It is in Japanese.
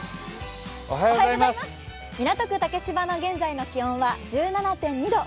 港区竹芝の現在の気温は１７．２度。